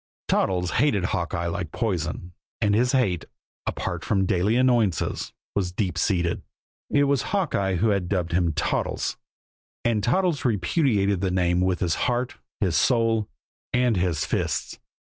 Toddles hated Hawkeye like poison; and his hate, apart from daily annoyances, was deep seated. It was Hawkeye who had dubbed him "Toddles." And Toddles repudiated the name with his heart, his soul and his fists.